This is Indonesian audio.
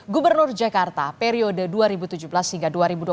gubernur jakarta periode dua ribu tujuh belas hingga dua ribu dua puluh